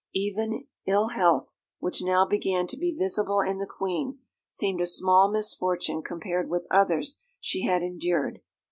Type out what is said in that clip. Even ill health, which now began to be visible in the Queen, seemed a small misfortune compared with others she had endured.